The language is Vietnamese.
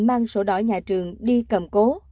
mang sổ đỏ nhà trường đi cầm cố